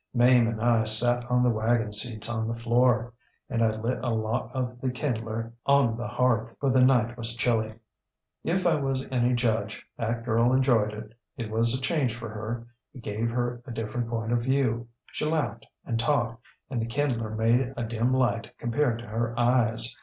ŌĆ£Mame and I sat on the wagon seats on the floor, and I lit a lot of the kindler on the hearth, for the night was chilly. If I was any judge, that girl enjoyed it. It was a change for her. It gave her a different point of view. She laughed and talked, and the kindler made a dim light compared to her eyes.